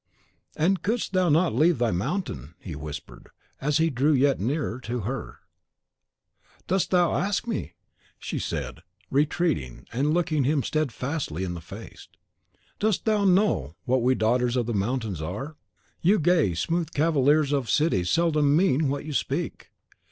"And couldst thou not leave thy mountains?" he whispered, as he drew yet nearer to her. "Dost thou ask me?" she said, retreating, and looking him steadfastly in the face. "Dost thou know what we daughters of the mountains are? You gay, smooth cavaliers of cities seldom mean what you speak.